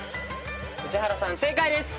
宇治原さん正解です。